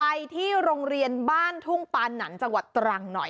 ไปที่โรงเรียนบ้านทุ่งปานันจังหวัดตรังหน่อย